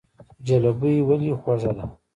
جلبي ولې خوږه ده؟